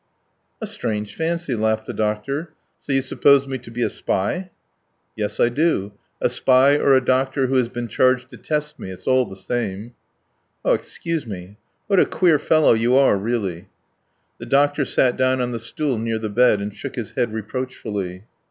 "A strange fancy," laughed the doctor. "So you suppose me to be a spy?" "Yes, I do. ... A spy or a doctor who has been charged to test me it's all the same " "Oh excuse me, what a queer fellow you are really!" The doctor sat down on the stool near the bed and shook his head reproachfully.